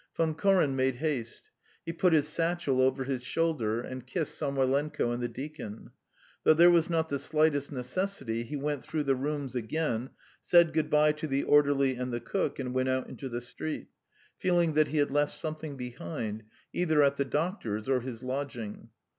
Von Koren made haste. He put his satchel over his shoulder, and kissed Samoylenko and the deacon. Though there was not the slightest necessity, he went through the rooms again, said good bye to the orderly and the cook, and went out into the street, feeling that he had left something behind, either at the doctor's or his lodging.